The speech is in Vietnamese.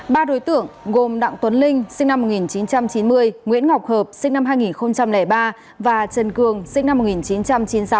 ba đối tượng gồm đặng tuấn linh sinh năm một nghìn chín trăm chín mươi nguyễn ngọc hợp sinh năm hai nghìn ba và trần cương sinh năm một nghìn chín trăm chín mươi sáu